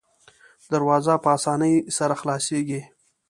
دروازه په اسانۍ سره خلاصیږي.